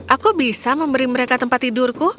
aku bisa memberi mereka tempat tidurku